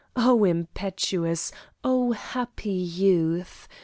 O impetuous, O happy youth!